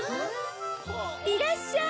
いらっしゃい！